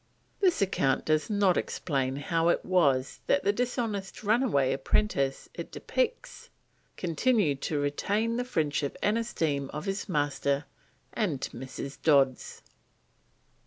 This account does not explain how it was that the dishonest runaway apprentice it depicts continued to retain the friendship and esteem of his master and Mrs. Dodds.